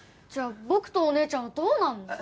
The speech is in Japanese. じゃあ僕とお姉ちゃんはどうなるの？